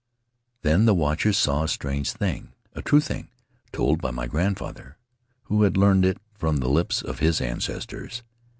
"Then the watchers saw a strange thing — a true thing, told me by my grandfather, who had learned it from the lips of his ancestors.